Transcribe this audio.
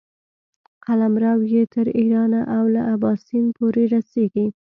قلمرو یې تر ایرانه او له اباسین پورې رسېږي.